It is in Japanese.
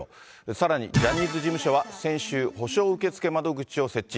さらにジャニーズ事務所は先週、補償受付窓口を設置。